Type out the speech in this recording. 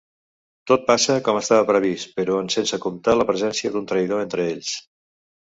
Tot passa com estava previst però és sense comptar la presència d'un traïdor entre ells.